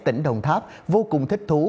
tỉnh đồng tháp vô cùng thích thú